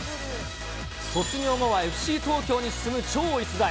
卒業後はＦＣ東京に進む超逸材。